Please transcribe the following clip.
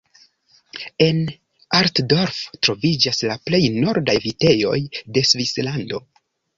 En Altdorf troviĝas la plej nordaj vitejoj de Svislando.